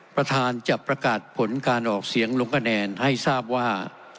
ประธานจะประกาศผลการออกเสียงลงคะแนนให้ทราบว่า